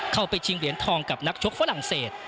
ชิงเหรียญทองกับนักชกฝรั่งเศส